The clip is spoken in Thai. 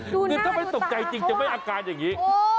เหมือนที่ไม่ตกใจจริงหังกันแบบนี้